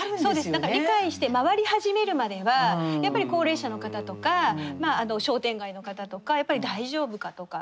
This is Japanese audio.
だから理解して回り始めるまではやっぱり高齢者の方とか商店街の方とかやっぱり「大丈夫か？」とか。